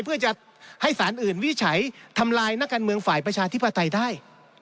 เพื่อจะให้สารอื่นวิจัยทำลายนักการเมืองฝ่ายประชาธิปไตยได้